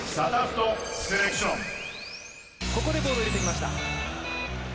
ここでボールを入れてきました。